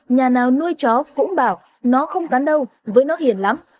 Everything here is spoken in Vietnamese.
nhà nào nuôi chó phũng bảo nó không tán đâu với nó hiền lắm